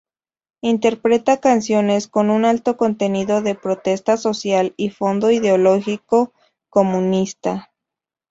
Interpreta canciones con un alto contenido de protesta social y fondo ideológico comunista.